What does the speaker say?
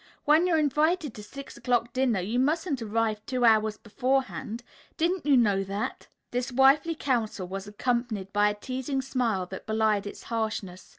When you're invited to six o'clock dinner you mustn't arrive two hours beforehand. Didn't you know that?" This wifely counsel was accompanied by a teasing smile that belied its harshness.